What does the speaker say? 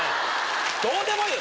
どうでもいいよ！